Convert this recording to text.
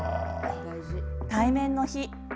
対面の日。